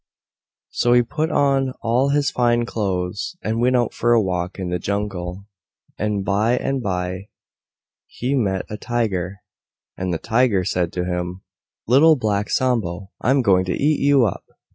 So he put on all his Fine Clothes, and went out for a walk in the Jungle. And by and by he met a Tiger. And the Tiger said to him, "Little Black Sambo, I'm going to eat you up!"